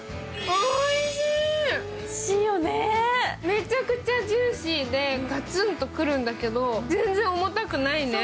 めちゃくちゃジューシーで、ガツンとくるんだけど、全然重たくないね。